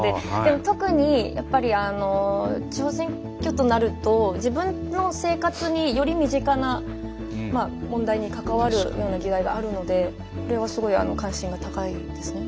特にやっぱり地方選挙となると自分の生活により身近な問題にかかわるような議題があるのでこれはすごい関心が高いですね。